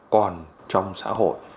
còn trong xã hội